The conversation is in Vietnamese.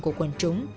của quần trúng